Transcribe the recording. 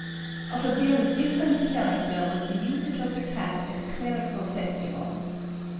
Of a very different character was the usage of the cat at clerical festivals.